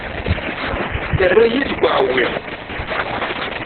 Terra-yi deg uɛewwiq.